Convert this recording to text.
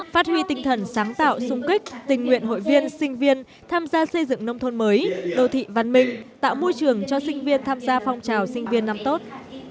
phát huy tinh thần sáng tạo sung kích tình nguyện hội viên sinh viên tham gia xây dựng nông thôn mới đô thị văn minh tạo môi trường cho sinh viên tham gia phong trào sinh viên năm tốt